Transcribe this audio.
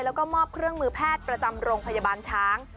แล้วก็มอบเครื่องมือแพทย์ประจำโรงพยาบาลช้าง